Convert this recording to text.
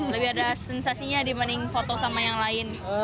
lebih ada sensasinya dibanding foto sama yang lain